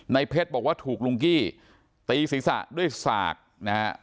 เพชรบอกว่าถูกลุงกี้ตีศีรษะด้วยสากนะฮะ